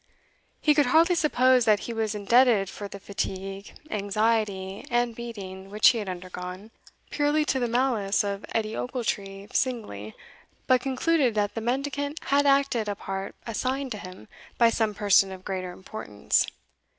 He could hardly suppose that he was indebted for the fatigue, anxiety, and beating which he had undergone, purely to the malice of Edie Ochiltree singly, but concluded that the mendicant had acted a part assigned to him by some person of greater importance.